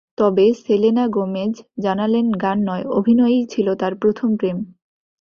তবে Selena Gomez জানালেন, গান নয়, অভিনয়ই ছিল তাঁর প্রথম প্রেম।